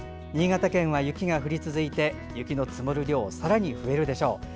新潟県は雪が降り続いて雪の積もる量さらに増えるでしょう。